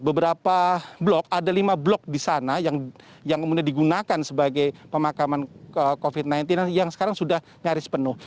beberapa blok ada lima blok di sana yang kemudian digunakan sebagai pemakaman covid sembilan belas yang sekarang sudah nyaris penuh